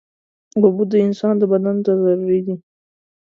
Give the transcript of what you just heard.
اوبه د انسان بدن ته ضروري دي.